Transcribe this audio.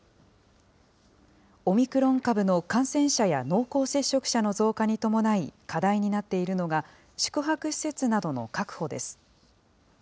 オミクロン株の感染者や濃厚接触者の増加に伴い課題になっているのが、宿泊施設などの確保です。